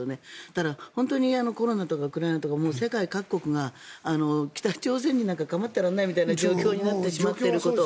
ただ、本当にコロナとかウクライナとか、世界各国が北朝鮮になんか構ってられないという状況になってしまっていること。